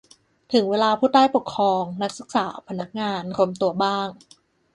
ถึงเวลาผู้ใต้ปกครอง นักศึกษา พนักงาน รวมตัวบ้าง